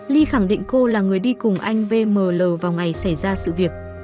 ly khẳng định cô là người đi cùng anh vml vào ngày xảy ra sự việc